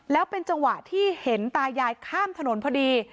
แล้วเป็นจังหวะที่เห็นตายายข้ามถนนพอดี